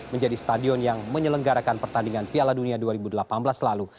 menjadi stadion yang menyelenggarakan pertandingan piala dunia dua ribu delapan belas lalu